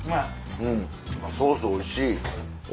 うんソースおいしい。